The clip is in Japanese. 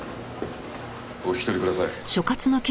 お引き取りください。